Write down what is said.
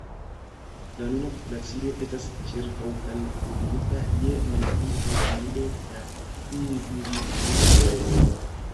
La nuna populacio estas ĉirkaŭkalkulita je malpli ol milo da individuoj.